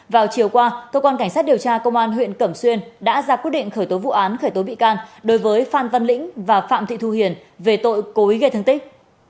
vào chiều qua cơ quan cảnh sát điều tra công an huyện cẩm xuyên đã ra quyết định khởi tố vụ án khởi tố bị can đối với phan văn lĩnh và phạm thị thu hiền về tội cố ý gây thương tích